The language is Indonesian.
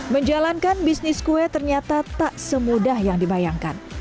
menjalankan bisnis kue ternyata tak semudah yang dibayangkan